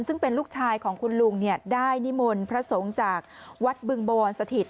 ซึ่งเป็นลูกชายของคุณลุงได้นิมนต์พระสงฆ์จากวัดบึงบวรสถิต